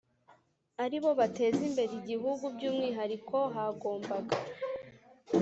Ari bo bateza imbere igihugu by umwihariko hagombaga